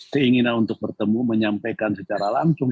keinginan untuk bertemu menyampaikan secara langsung